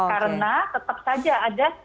karena tetap saja ada